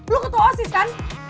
lo ketua osis kan